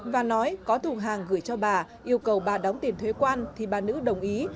và nói có thùng hàng gửi cho bà yêu cầu bà đóng tiền thuế quan thì bà nữ đồng ý